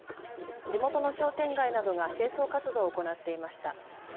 地元の商店街などが清掃活動を行っていました。